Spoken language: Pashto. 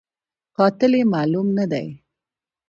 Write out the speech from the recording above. قاتل یې معلوم نه دی